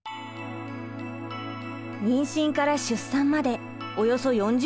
妊娠から出産までおよそ４０週間。